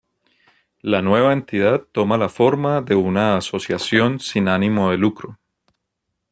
La nueva entidad toma la forma de una asociación sin ánimo de lucro.